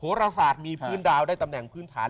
รศาสตร์มีพื้นดาวได้ตำแหน่งพื้นฐาน